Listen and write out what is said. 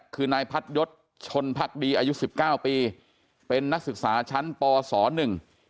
คือนายพัดยศชนพักดีอายุสิบเก้าปีเป็นนักศึกษาชั้นปสหนึ่ง